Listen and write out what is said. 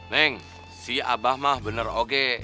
neng si abah mah bener oke